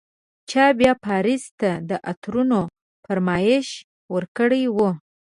چا بیا پاریس ته د عطرونو فرمایش ورکړی و.